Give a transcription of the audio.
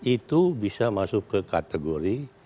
itu bisa masuk ke kategori